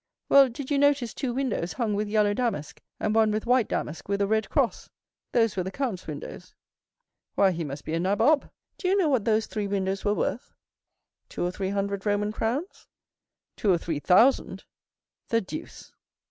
"Well, did you notice two windows hung with yellow damask, and one with white damask with a red cross? Those were the count's windows." "Why, he must be a nabob. Do you know what those three windows were worth?" "Two or three hundred Roman crowns?" "Two or three thousand." "The deuce!"